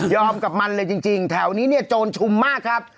กับมันเลยจริงแถวนี้เนี่ยโจรชุมมากครับ